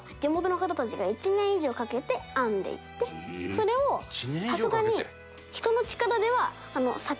それをさすがに。